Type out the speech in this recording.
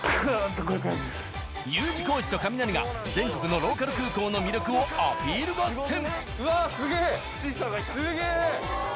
Ｕ字工事とカミナリが全国のローカル空港の魅力をアピール合戦。